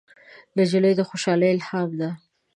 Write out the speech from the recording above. نجلۍ د خوشحالۍ الهام ده.